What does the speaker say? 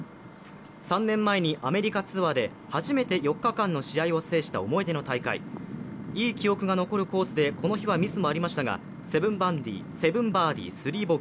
３年前にアメリカツアーで初めて４日間の試合を制した思い出の大会いい記憶が残るコースでこの日はミスもありましたが７バーディー３ボギー。